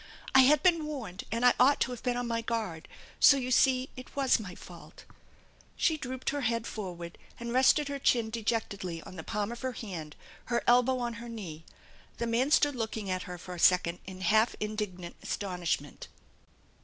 I had been warned and I ought to have been on my guard. So you see it was my fault." She drooped her head forward and rested her chin de jectedly on the palm of her hand, her elbow on her knee. The man stood looking at her for a second in half indignant astonishment.